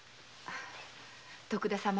徳田様